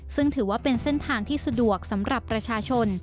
ซึ่งถือว่าเป็นเส้นทางที่สะดวกสำหรับประชาชน